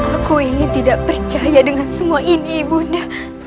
aku ingin tidak percaya dengan semua ini ibunda